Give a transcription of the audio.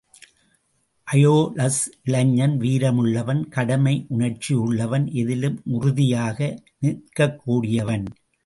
அயோலஸ் இளைஞன் வீரமுள்ளவன் கடமை உணர்ச்சியுள்ளவன் எதிலும் உறுதியாக நிற்கக்கூடியவன்.